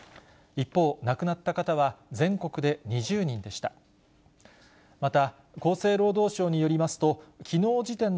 一方、亡くなった方は全国で２０人でした。